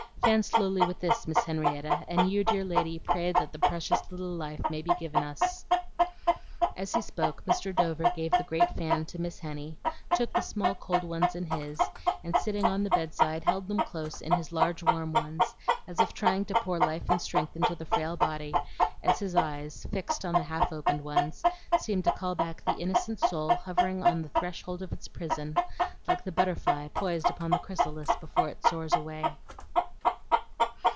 Fan slowly with this, Miss Henrietta, and you, dear lady, pray that the precious little life may be given us." As he spoke, Mr. Dover gave the great fan to Miss Henny, took the small cold hands in his, and sitting on the bedside held them close in his large warm ones, as if trying to pour life and strength into the frail body, as his eyes, fixed on the half opened ones, seemed to call back the innocent soul hovering on the threshold of its prison, like the butterfly poised upon the chrysalis before it soars away.